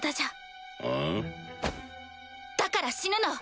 あん？だから死ぬの。